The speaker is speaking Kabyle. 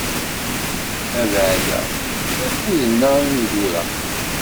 Abeɛda akuden-a ineggura.